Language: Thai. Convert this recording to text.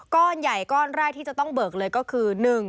ก้อนใหญ่ก้อนแรกที่จะต้องเบิกเลยก็คือ